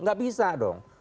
tidak bisa dong